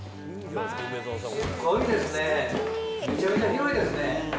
すごいですね、めちゃくちゃ広いですね。